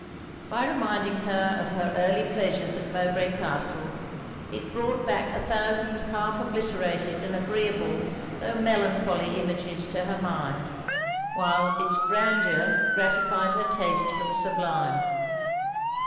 By reminding her of her early pleasures at Mowbray Castle, it brought back a thousand half obliterated and agreeable, tho' melancholy images to her mind; while its grandeur gratified her taste for the sublime.